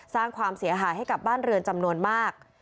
สร้างความเสียหายให้กับบ้านเรือนจำนวนมาก